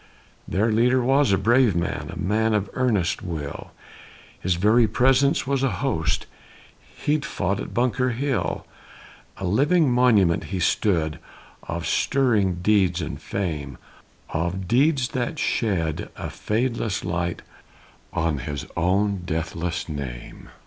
Their leader was a brave old man, A man of earnest will; His very presence was a host He'd fought at Bunker Hill. A living monument he stood Of stirring deeds of fame, Of deeds that shed a fadeless light On his own deathless name.